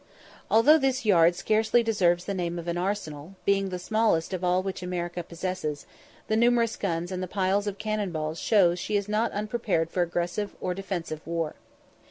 Although this yard scarcely deserves the name of an arsenal, being the smallest of all which America possesses, the numerous guns and the piles of cannon balls show that she is not unprepared for aggressive or defensive war.